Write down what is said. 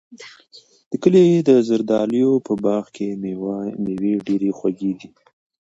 د کلي د زردالیو په باغ کې مېوې ډېرې خوږې دي.